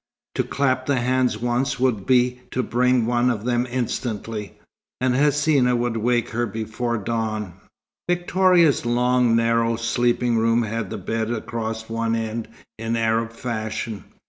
To clap the hands once would be to bring one of them instantly. And Hsina would wake her before dawn. Victoria's long, narrow sleeping room had the bed across one end, in Arab fashion.